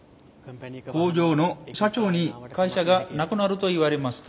工場の社長に会社がなくなると言われました。